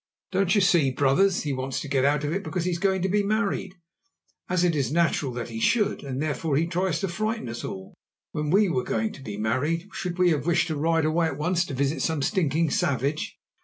Don't you see, brothers, he wants to get out of it because he is going to be married, as it is natural that he should, and therefore he tries to frighten us all? When we were going to be married, should we have wished to ride away at once to visit some stinking savage?